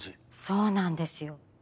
そうなんですよ。